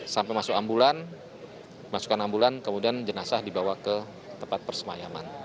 sampai masuk ambulan masukkan ambulan kemudian jenazah dibawa ke tempat persemayaman